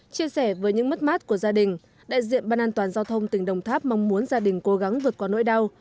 chia sẻ với những mất mát của gia đình đại diện ban an toàn giao thông tỉnh đồng tháp mong muốn gia đình cố gắng vượt qua nỗi đau